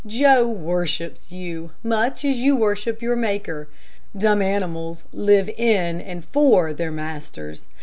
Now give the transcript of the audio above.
Joe worships you, much as you worship your Maker. Dumb animals live in and for their masters.